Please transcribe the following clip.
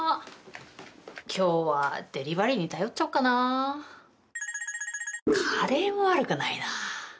今日はデリバリーに頼っちゃおうかな。も悪くないな。